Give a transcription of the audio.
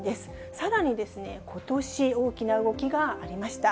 さらに、ことし、大きな動きがありました。